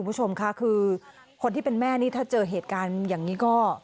คุณผู้ชมค่ะคือคนที่เป็นแม่นี่ถ้าเจอเหตุการณ์อย่างนี้ก็